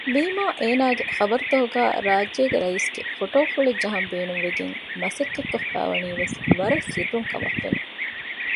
ވީމާ އޭނާގެ ޚަބަރުތަކުގައި ރާއްޖޭގެ ރައީސްގެ ފޮޓޯފުޅެއް ޖަހަން ބޭނުންވެގެން މަސައްކަތްކޮށްފައިވަނީވެސް ވަރަށް ސިއްރުންކަމަށްފެނެ